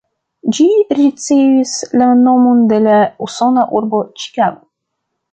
Ĝi ricevis la nomon de la usona urbo Ĉikago.